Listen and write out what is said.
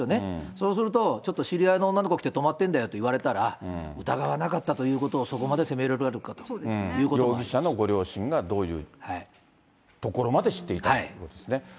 そうすると、ちょっと知り合いの女の子来て、泊まってるんだよと言われたら、疑わなかったということを、そこ容疑者のご両親が、どういうところまで知っていたかということですね。